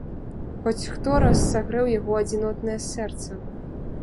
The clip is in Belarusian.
Хто хоць раз сагрэў яго адзінотнае сэрца?